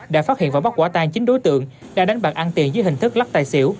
đã phát hiện và bắt quả tan chín đối tượng đang đánh bạc ăn tiền dưới hình thức lắc tài xỉu